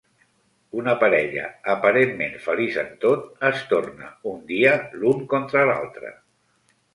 Una parella aparentment feliç en tot es torna un dia l'un contra l'altre.